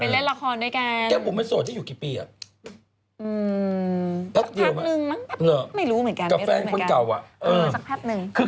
เป็นเล่นราคาด้วยกันที่ที่แก้ปุ่มสองหลายปี